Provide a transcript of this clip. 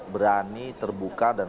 berani terbuka dan